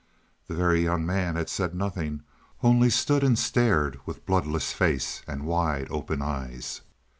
The Very Young Man had said nothing; only stood and stared with bloodless face and wide open eyes.